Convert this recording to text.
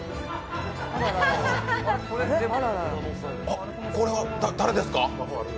あっ、これは誰ですか？